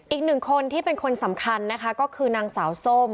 อีกหนึ่งคนที่เป็นคนสำคัญนะคะก็คือนางสาวส้ม